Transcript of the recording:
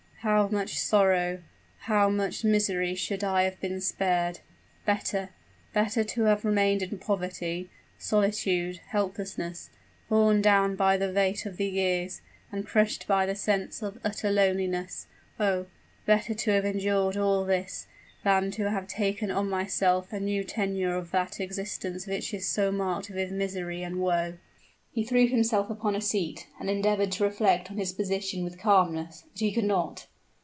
How much sorrow how much misery should I have been spared! Better better to have remained in poverty solitude helplessness worn down by the weight of years and crushed by the sense of utter loneliness oh! better to have endured all this, than to have taken on myself a new tenure of that existence which is so marked with misery and woe!" He threw himself upon a seat, and endeavored to reflect on his position with calmness; but he could not!